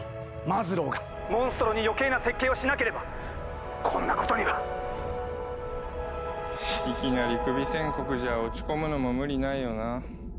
マズローがモンストロに余計な設計をしなければこんなことには！いきなりクビ宣告じゃ落ち込むのも無理ないよな。